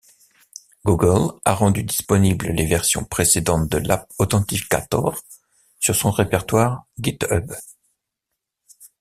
Google a rendu disponibles les versions précédents de l'app Authenticator sur son répositoire GitHub.